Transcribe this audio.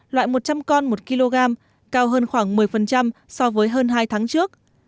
loại một trăm linh con một kg cao hơn khoảng một mươi so với hơn hai tháng trước